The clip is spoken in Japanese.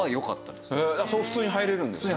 そこ普通に入れるんですね。